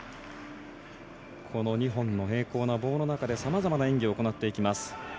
この２本の平行な棒の中でさまざまな演技を行っていきます。